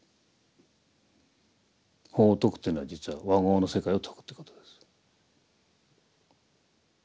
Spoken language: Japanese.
法を説くというのは実は和合の世界を説くということです。